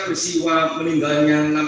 peristiwa peninggalan yang